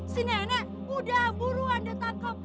sini nenek udah buruan deh takap